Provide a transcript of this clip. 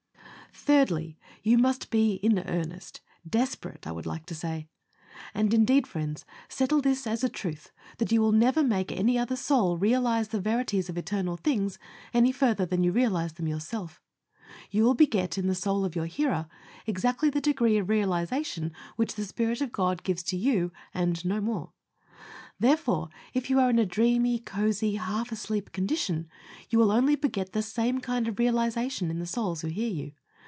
Thirdly, you must be in earnest desperate, I would like to say. And, indeed, friends, settle this as a truth, that you will never make any other soul realize the verities of eternal things, any further than you realize them yourself. You will beget in the soul of your hearer, exactly the degree of realization which the Spirit of God gives to you, and no more; therefore, if you are in a dreamy, cosy, half asleep condition, you will only beget the same kind of realization in the souls who hear you.